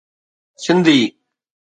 Sindhi